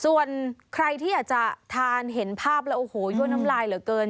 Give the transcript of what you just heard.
ส่วนใครที่อยากจะทานเห็นภาพแล้วโอ้โหยั่วน้ำลายเหลือเกิน